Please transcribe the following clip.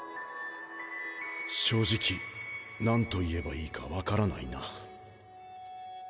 正直何と言えばいいかわからないな。